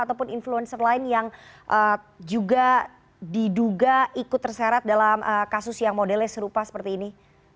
ataupun influencer lain yang juga diduga ikut terseret dalam kasus yang modelnya serupa seperti ini